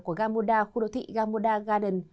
của gamoda khu đô thị gamoda garden